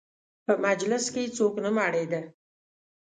په مجلس یې څوک نه مړېده.